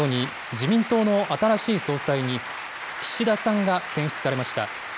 自民党の新しい総裁に、岸田さんが選出されました。